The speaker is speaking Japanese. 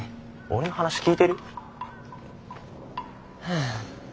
俺の話聞いてる？はあ。